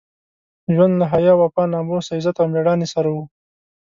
ژوند له حیا، وفا، ناموس، عزت او مېړانې سره وو.